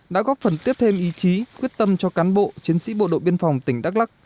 đã góp phần tiếp thêm ý chí quyết tâm cho cán bộ chiến sĩ bộ đội biên phòng tỉnh đắk lắc